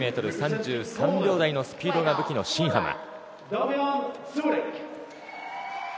５００ｍ３３秒台のスピードが武器の新濱。